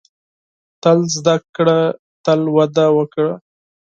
• تل زده کړه، تل وده وکړه.